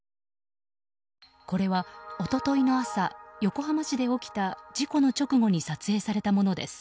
これは一昨日の朝横浜市で起きた事故の直後に撮影されたものです。